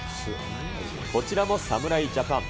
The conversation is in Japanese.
こちらも侍ジャパン。